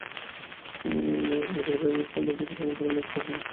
তিনি অরোরা এবং এ সম্পর্কিত ঘটনা দ্বারা মুগ্ধ হন।